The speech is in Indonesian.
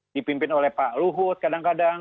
dipimpin oleh pak luhut kadang kadang